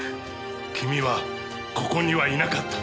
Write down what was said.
君はここにはいなかった。